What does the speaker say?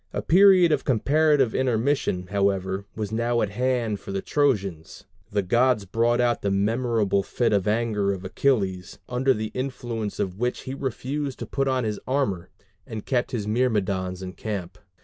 A period of comparative intermission, however, was now at hand for the Trojans. The gods brought about the memorable fit of anger of Achilles, under the influence of which he refused to put on his armor, and kept his Myrmidons in camp.